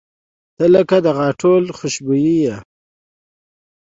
• ته لکه د غاټول خوشبويي یې.